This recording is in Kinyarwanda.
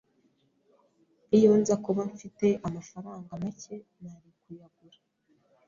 Iyo nza kuba mfite amafaranga make, nari kuyagura.